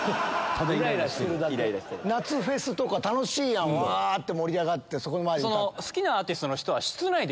夏フェスとか楽しいやんうわって盛り上がって。